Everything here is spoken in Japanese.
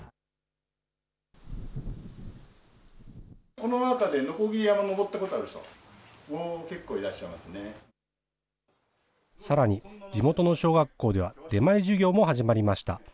この中で鋸山、さらに、地元の小学校では出前授業も始まりました。